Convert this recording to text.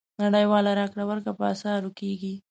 نړیوالې راکړې ورکړې په اسعارو کېږي.